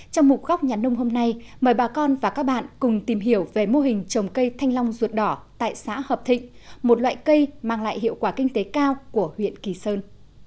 trong một góc nhà nông hôm nay mời bà con và các bạn cùng tìm hiểu về mô hình trồng cây thanh long ruột đỏ tại xã hợp thịnh một loại cây mang lại hiệu quả kinh tế cao của huyện kỳ sơn